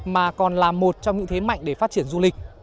mà còn là một trong những thế mạnh để phát triển du lịch